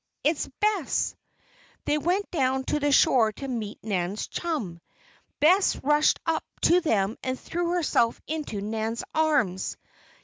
"It's Bess!" They went down to the shore to meet Nan's chum. Bess rushed up to them and threw herself into Nan's arms.